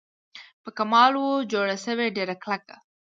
په کمال وه جوړه سوې ډېره کلکه